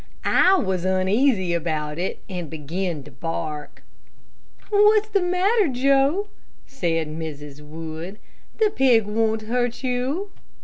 I was uneasy about it, and began to bark. "What's the matter, Joe?" said Mrs. Wood; "the pig won't hurt you."